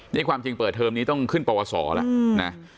นี่ความจริงเปิดเทอมนี้ต้องขึ้นปวสอแล้วนะ